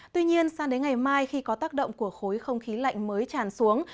tuy nhiên sang đến ngày mai khi có tác động của khối không khí lạnh mới tràn xuống